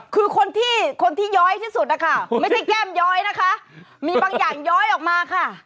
คือคนที่คนที่ย้อยที่สุดนะคะไม่ใช่แก้มย้อยนะคะมีบางอย่างย้อยออกมาค่ะ